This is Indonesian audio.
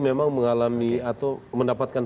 memang mengalami atau mendapatkan